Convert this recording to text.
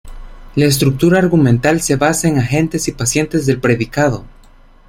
La estructura argumental se basa en agentes y pacientes del predicado.